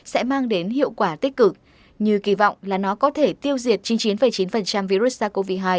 sẽ mang đến hiệu quả tích cực như kỳ vọng là nó có thể tiêu diệt chín mươi chín chín virus sars cov hai